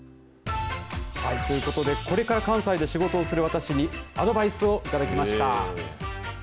ということでこれから関西で仕事をする私にアドバイスをいただきました。